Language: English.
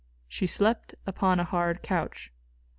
She slept upon a hard couch.